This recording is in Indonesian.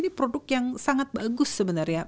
ini produk yang sangat bagus sebenarnya